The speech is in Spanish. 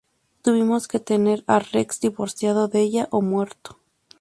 Tuvimos que tener a Rex divorciado de ella o muerto".